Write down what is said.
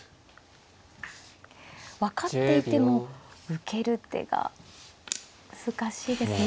分かっていても受ける手が難しいですね。